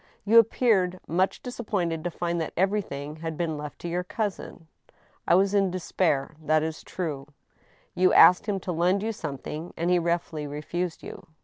" You appeared much disappointed to find that everything had been left to your cousin ?"" I was in despair, ... that is true." " You asked him to lend you something, and he roughly refused you?"